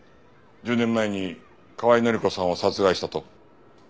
１０年前に河合範子さんを殺害したと？